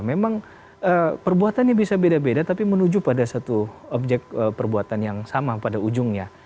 memang perbuatannya bisa beda beda tapi menuju pada satu objek perbuatan yang sama pada ujungnya